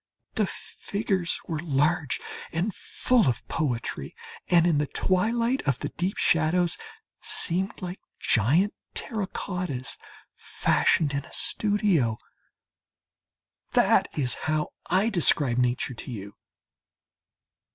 The figures were large and full of poetry and, in the twilight of the deep shadows, seemed like gigantic terracottas fashioned in a studio. That is how I describe Nature to you.